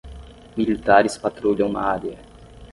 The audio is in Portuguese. Militares patrulham uma área